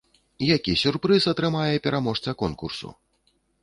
Які сюрпрыз атрымае пераможца конкурсу?